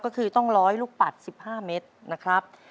ก็คือต้อง๑๐๐ลูกปัด๑๕เมตรนะครับ